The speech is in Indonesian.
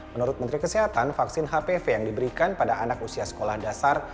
menurut menteri kesehatan vaksin hpv yang diberikan pada anak usia sekolah dasar